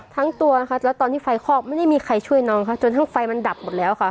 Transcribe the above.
ทั้งตัวค่ะแล้วตอนที่ไฟคอกไม่ได้มีใครช่วยน้องค่ะจนทั้งไฟมันดับหมดแล้วค่ะ